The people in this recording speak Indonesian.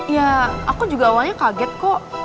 ya aku juga awalnya kaget kok